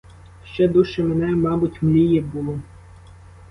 Ще дужче мене, мабуть, мліє було.